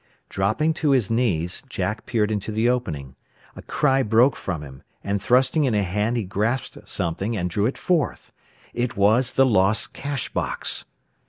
Dropping to his knees, Jack peered into the opening. A cry broke from him, and thrusting in a hand he grasped something, and drew it forth. It was the lost cash box!